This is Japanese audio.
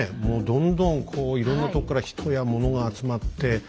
もうどんどんこういろんなとこから人やモノが集まって。